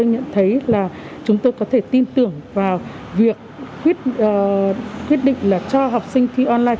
chúng ta nhận thấy là chúng ta có thể tin tưởng vào việc quyết định là cho học sinh thi online